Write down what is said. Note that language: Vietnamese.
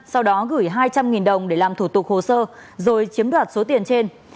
sau đó gửi hai trăm linh đồng để làm thủ tục hồ sơ rồi chiếm đoạt số tiền trên